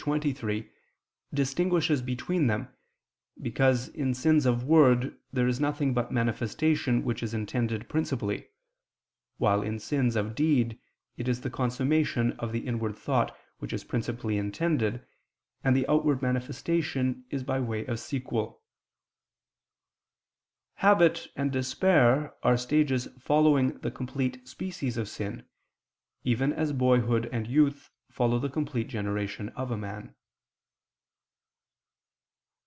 43:23) distinguishes between them, because in sins of word there is nothing but manifestation which is intended principally; while in sins of deed, it is the consummation of the inward thought which is principally intended, and the outward manifestation is by way of sequel. Habit and despair are stages following the complete species of sin, even as boyhood and youth follow the complete generation of a man.